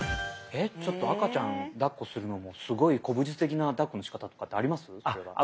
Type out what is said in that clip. えっちょっと赤ちゃんだっこするのもすごい古武術的なだっこのしかたとかってあります？